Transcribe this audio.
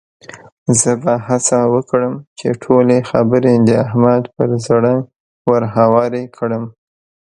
زه به هڅه وکړم چې ټولې خبرې د احمد پر زړه ورهوارې کړم.